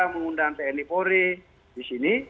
mengundang tni polri di sini